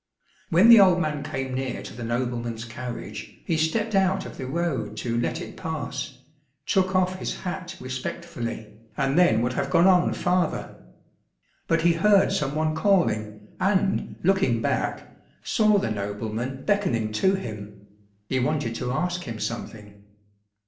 When the old man came near to the nobleman's carriage, he stepped out of the road to let it pass, took off his hat respectfully, and then would have gone on farther. But he heard some one calling, and, looking back, saw the nobleman beckoning to him ; he wanted to ask him something.